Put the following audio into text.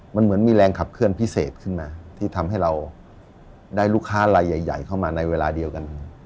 มันเหมือนมีแรงขับเคลื่อนพิเศษขึ้นมาที่ทำให้เราได้ลูกค้าลายใหญ่เข้ามาในเวลาเดียวกัน